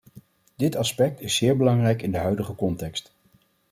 Dit aspect is zeer belangrijk in de huidige context.